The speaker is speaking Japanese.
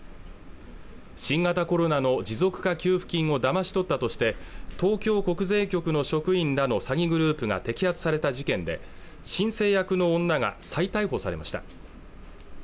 新型コロナの持続化給付金をだまし取ったとして東京国税局の職員らの詐欺グループが摘発された事件で申請役の女が再逮捕されました